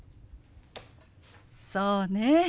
そうね。